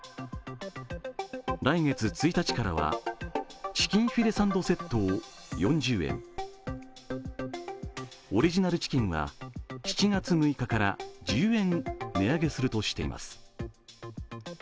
来月１日からは、チキンフィレサンドセットを４０円、オリジナルチキンは７月６日から１０円値上げするとしています。